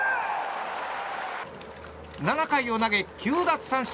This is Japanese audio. ７回を投げ９奪三振